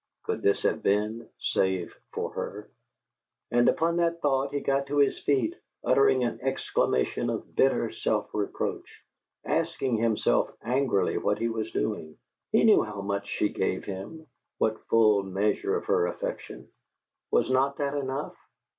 Could this have been, save for her? And upon that thought he got to his feet, uttering an exclamation of bitter self reproach, asking himself angrily what he was doing. He knew how much she gave him, what full measure of her affection! Was not that enough?